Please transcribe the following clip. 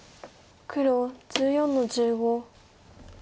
黒１４の十五。